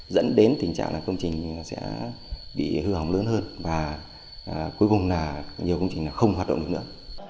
dẫn đến tình trạng là công trình sẽ bị hư hỏng lớn hơn và cuối cùng là nhiều công trình không hoạt động được nữa